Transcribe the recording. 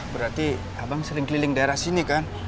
berarti abang sering keliling daerah sini kan